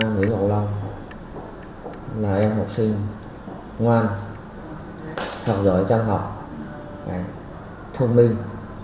em nghĩ ngộ lòng là em học sinh ngoan học giỏi trong học thông minh